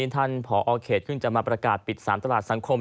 ท่านผอเขตเพิ่งจะมาประกาศปิด๓ตลาดสังคม